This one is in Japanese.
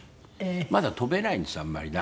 まだ飛べないんですあまり長く。